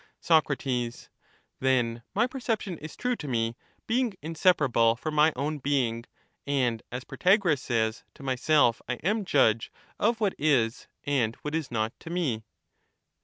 Soc. Then my perception is true to me, being inseparable from my own being ; and, as Protagoras says, to myself I am judge of what is and what is not to me.